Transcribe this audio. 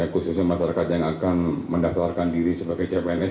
khususnya masyarakat yang akan mendaftarkan diri sebagai cpns